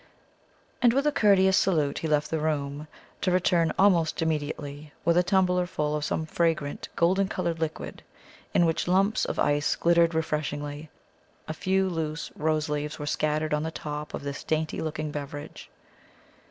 And with a courteous salute he left the room, to return almost immediately with a tumbler full of some fragrant, golden coloured liquid, in which lumps of ice glittered refreshingly. A few loose rose leaves were scattered on the top of this dainty looking beverage.